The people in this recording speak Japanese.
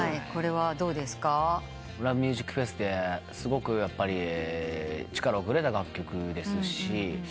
「ＬＯＶＥＭＵＳＩＣＦＥＳ」ですごく力をくれた楽曲ですし。